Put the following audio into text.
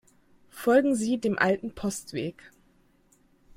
Folgen Sie dem alten Postweg.